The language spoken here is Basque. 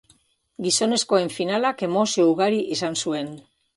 Gizonezkoen finalak emozio ugari izan zuen.